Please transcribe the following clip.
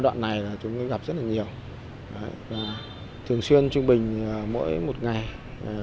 đoạn này là chúng tôi gặp rất là nhiều thường xuyên trung bình mỗi một ngày khoa truyền nhiễm